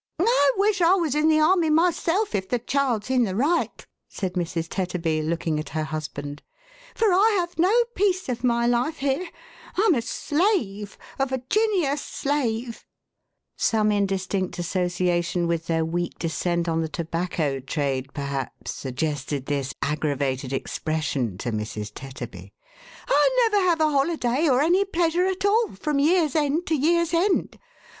" I wish I was in the army myself, if the child's in the right," said Mrs. Tetterby, looking at her husband, " for I have no peace of my life here. Tin a slave — a Virginia slave;" some indistinct association with their weak descent on the tobacco trade perhaps suggested this aggravated ex pression to Mrs. Tetterby. " I never have a holiday, or any pleasure at all, from year's end to year's end